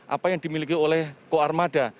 apa yang dimiliki oleh koarmada